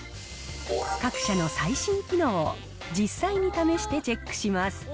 各社の最新機能を実際に試してチェックします。